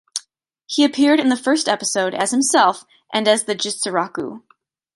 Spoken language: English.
He appeared in the first episode, as himself and as the Jitsuroku!